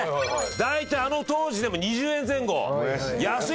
大体あの当時でも２０円前後。